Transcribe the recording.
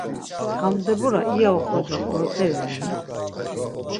Skandebura iya oxorca qoroperi reni?